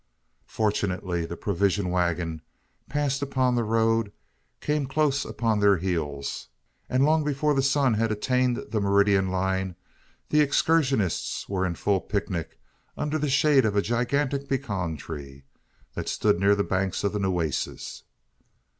Fortunately the provision waggon, passed upon the road, came close upon their heels; and, long before the sun had attained the meridian line, the excursionists were in full pic nic under the shade of a gigantic pecan tree, that stood near the banks of the Nueces.